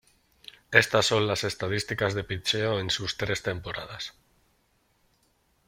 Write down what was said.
Estas son las estadísticas de pitcheo en sus tres temporadas.